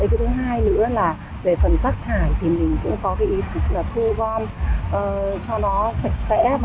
thứ hai nữa là về phần rác thải thì mình cũng có cái ý thức là thu gom cho nó sạch sẽ và phân loại rác cũng như là hạn chế dùng cây ba mi lông